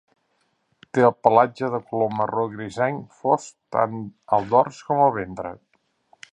Té el pelatge de color marró grisenc fosc tant al dors com al ventre.